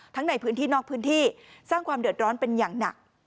ในพื้นที่นอกพื้นที่สร้างความเดือดร้อนเป็นอย่างหนัก